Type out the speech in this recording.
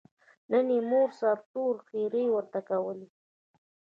نن یې مور سرتور ښېرې ورته کولې.